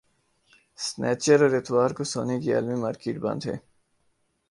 سنیچر اور اتوار کو سونے کی عالمی مارکیٹ بند ہے